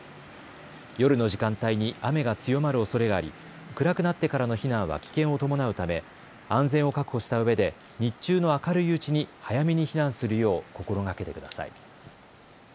夜の時間帯に雨が強まるおそれがあり、暗くなってからの避難は危険を伴うため安全を確保したうえで日中の明るいうちに早めに避難するよう心がけてください。